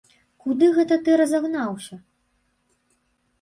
Куды гэта ты разагнаўся?